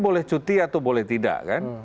boleh cuti atau tidak